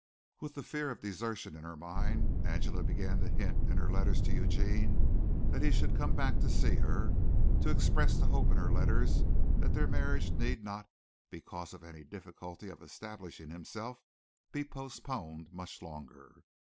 With the fear of desertion in her mind Angela began to hint in her letters to Eugene that he should come back to see her, to express the hope in her letters that their marriage need not because of any difficulty of establishing himself be postponed much longer.